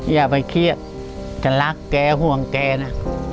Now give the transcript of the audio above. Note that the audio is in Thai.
อย่าไปเครียดจะรักแกห่วงแกนะ